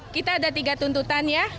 kita ada tiga tuntutan ya